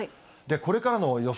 これからの予想